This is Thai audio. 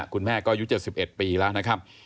คุณแม่ก็อายุ๗๑ปีแล้วนะครับ